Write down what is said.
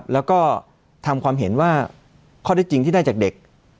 แล้วก็ทำความเห็นว่าข้อได้จริงที่ได้จากเด็ก